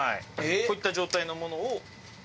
こういった状態のものを削って。